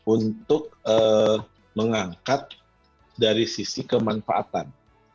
untuk mengangkat dari sisi kemanfaatan